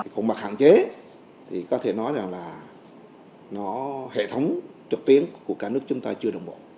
không bằng hạn chế thì có thể nói là hệ thống trực tiến của cả nước chúng ta chưa đồng bộ